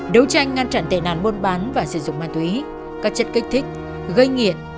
đấu tranh ngăn chặn tệ nạn buôn bán và sử dụng ma túy các chất kích thích gây nghiện